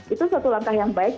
itu satu langkah yang baik